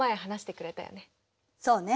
そうね。